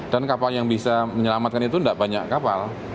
dan kapal yang bisa menyelamatkan itu enggak banyak kapal